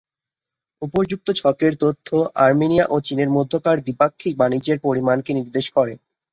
উপর্যুক্ত ছকের তথ্য আর্মেনিয়া ও চীনের মধ্যকার দ্বিপাক্ষিক বাণিজ্যের পরিমাণকে নির্দেশ করে।